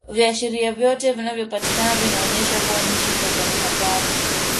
Viashiria vyote vinavyopatikana vinaonyesha kuwa nchi iko kwenye hatari